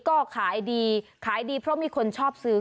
ก็ขายดีขายดีเพราะมีคนชอบซื้อ